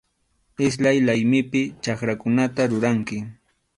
Iskay laymipi chakrakunata ruranki.